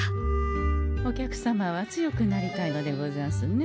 お客様は強くなりたいのでござんすね？